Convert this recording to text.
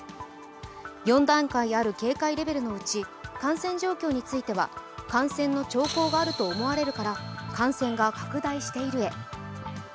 ４段階ある警戒レベルのうち感染状況については感染の兆候があると思われるから感染が拡大しているへ。